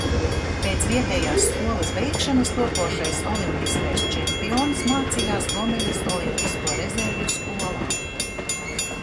Pēc vietējās skolas beigšanas topošais olimpiskais čempions mācījās Gomeļas olimpisko rezervju skolā.